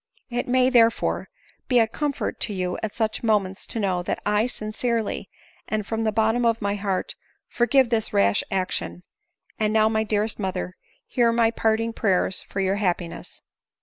" It may, therefore, be a coipfort to you at such moments to know that 1 sincerely, and from the bottom of my heart, forgive this rash action ; and now, my dearest mother, hear my parting prayers for your hap piness